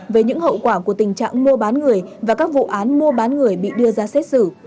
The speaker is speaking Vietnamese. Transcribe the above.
về những hậu quả của tình trạng mua bán người và các vụ án mua bán người bị đưa ra xét xử